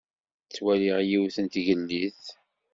Ttwaliɣ yiwet n tgellidt.